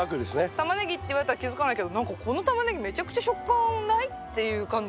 タマネギって言われたら気付かないけど「何かこのタマネギめちゃくちゃ食感ない？」っていう感じ。